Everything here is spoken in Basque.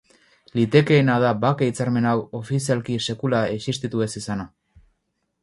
Litekeena da bake hitzarmen hau, ofizialki sekula existitu ez izana.